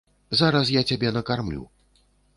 Зараз я цябе накармлю.